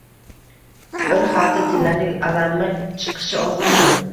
Bir xalta tillaning alami chiqishi osonmi?